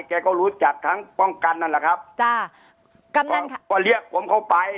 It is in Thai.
แกก็รู้จักทั้งป้องกันนั่นแหละครับจ้าก็เรียกผมเข้าไป